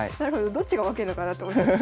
どっちが負けんのかなと思っちゃった。